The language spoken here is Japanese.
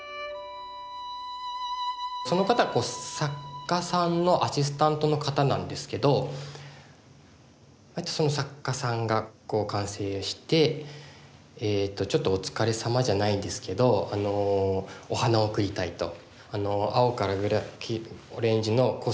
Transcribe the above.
その方作家さんのアシスタントの方なんですけどその作家さんが完成してちょっと「お疲れさま」じゃないんですけどお花を贈りたいと。